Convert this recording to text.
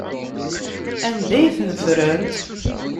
Anda ay ten-ffrent?